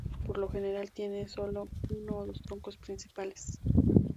Por lo general, tiene sólo uno o dos troncos principales.